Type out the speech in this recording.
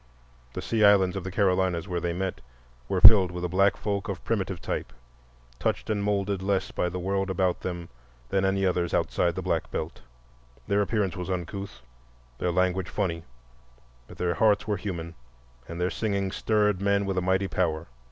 The Sea Islands of the Carolinas, where they met, were filled with a black folk of primitive type, touched and moulded less by the world about them than any others outside the Black Belt. Their appearance was uncouth, their language funny, but their hearts were human and their singing stirred men with a mighty power.